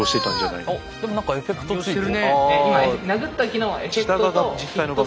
おっでも何かエフェクトついてる。